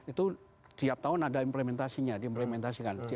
itu tiap tahun ada implementasinya diimplementasikan